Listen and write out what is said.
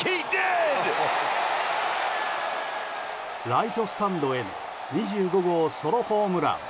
ライトスタンドへの２５号ソロホームラン。